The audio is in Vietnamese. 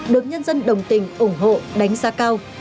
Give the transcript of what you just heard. được nhân dân đồng tình ủng hộ đánh giá cao